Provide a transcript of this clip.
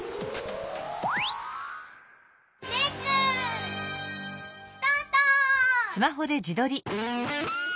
レックスタート！